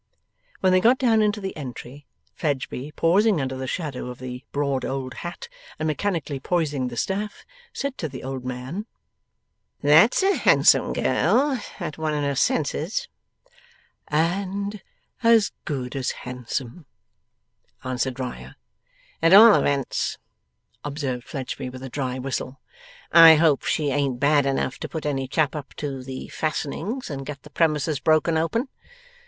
When they got down into the entry, Fledgeby, pausing under the shadow of the broad old hat, and mechanically poising the staff, said to the old man: 'That's a handsome girl, that one in her senses.' 'And as good as handsome,' answered Riah. 'At all events,' observed Fledgeby, with a dry whistle, 'I hope she ain't bad enough to put any chap up to the fastenings, and get the premises broken open.